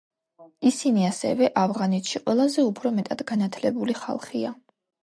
ისინი ასევე ავღანეთში ყველაზე უფრო მეტად განათლებული ხალხია.